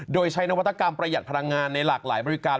โดยใช้นวัตกรรมประหยัดพลังงานในหลากหลายบริการ